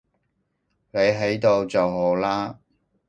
你喺度就好喇